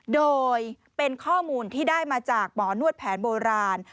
โดยเป็นข้อมูลที่ได้มาจากหมอนวดแผนโบราณ